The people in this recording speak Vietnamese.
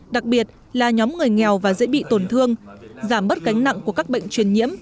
đặc biệt là nhóm người nghèo và dễ bị tổn thương giảm bớt cánh nặng của các bệnh truyền nhiễm